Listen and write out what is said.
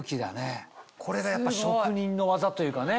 これがやっぱ職人の技というかね